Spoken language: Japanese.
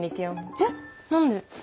えっ？何で。